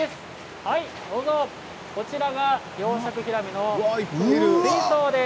こちらが養殖ヒラメの水槽です。